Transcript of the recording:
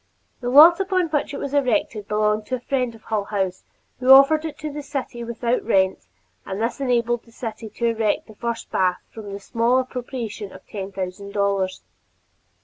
The lot upon which it was erected belonged to a friend of Hull House who offered it to the city without rent, and this enabled the city to erect the first public bath from the small appropriation of ten thousand dollars.